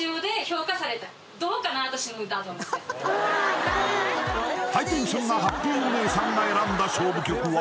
今ハイテンションなハッピーお姉さんが選んだ勝負曲は？